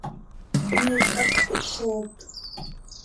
Miizj hacx cohpxoop.